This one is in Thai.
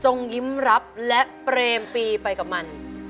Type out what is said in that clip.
ยิ้มรับและเปรมปีไปกับมัน